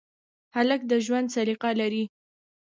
هلک د ژوند سلیقه لري.